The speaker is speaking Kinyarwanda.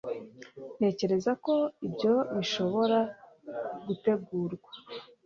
Ntekereza ko ibyo bishobora gutegurwa